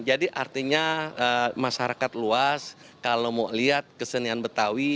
jadi artinya masyarakat luas kalau mau lihat kesenian betawi